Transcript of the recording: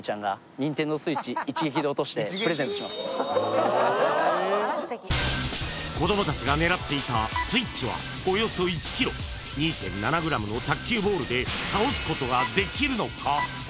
分かりました子供達が狙っていたＳｗｉｔｃｈはおよそ１ｋｇ２．７ｇの卓球ボールで倒すことができるのか？